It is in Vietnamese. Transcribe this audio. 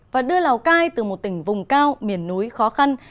và đưa lào cai từ một tỉnh vùng cao miền núi khó khăn